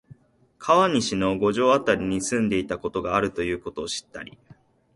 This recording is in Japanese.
川西の五条あたりに住んでいたことがあるということを知ったり、